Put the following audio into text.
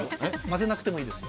混ぜなくてもいいです。